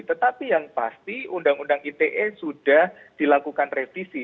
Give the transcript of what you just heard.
tetapi yang pasti undang undang ite sudah dilakukan revisi